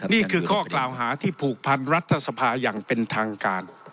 นี่คือข้อกล่าวหาที่ผูกพันรัฐสภาอย่างเป็นทางการ